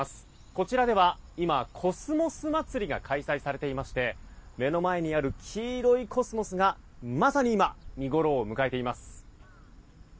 こちらでは今、コスモス祭りが開催されていまして目の前にある黄色いコスモスがまさに今見ごろを迎えています。